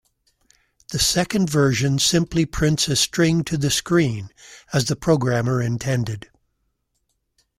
The second version simply prints a string to the screen, as the programmer intended.